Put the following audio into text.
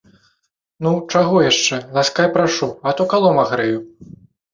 Ну, чаго яшчэ, ласкай прашу, а то калом агрэю.